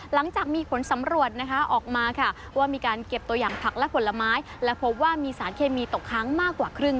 หลังจากมีผลสำรวจออกมาค่ะว่ามีการเก็บตัวอย่างผักและผลไม้และพบว่ามีสารเคมีตกค้างมากกว่าครึ่ง